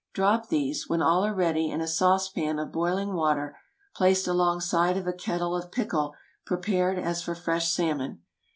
Drop these, when all are ready, in a saucepan of boiling water, placed alongside of a kettle of pickle prepared as for fresh salmon.